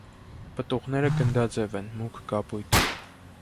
Պտուղները գնդաձև են, մուգ կապույտ։